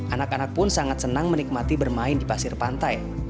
anak anak pun sangat senang menikmati bermain di pasir pantai